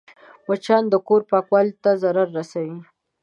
مچان د کور پاکوالي ته ضرر رسوي